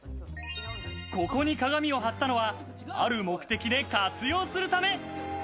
ここに鏡を貼ったのは、ある目的で活用するため。